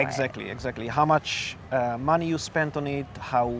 berapa banyak uang yang anda uangkan